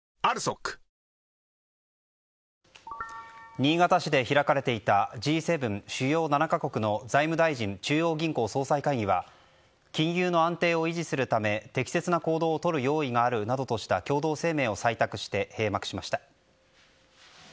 新潟市で開かれていたＧ７＝主要７カ国の財務大臣・中央銀行総裁会議は金融の安定を維持するため適切な行動を取る用意があるなどとして共同声明を採択して閉幕しました。